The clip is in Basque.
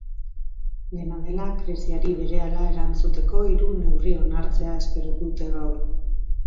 Dena dela, krisiari berehala erantzuteko hiru neurri onartzea espero dute gaur.